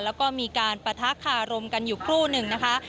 แล้วก็มีการปะทะคารมกันอยู่ครู่หนึ่งนะคะ